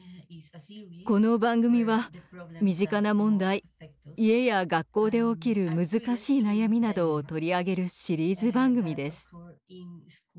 この番組は身近な問題家や学校で起きる難しい悩みなどを取り上げるシリーズ番組です。